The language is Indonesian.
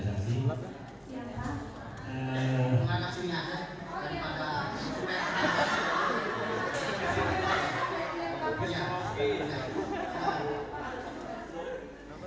pak pakannya sopan pak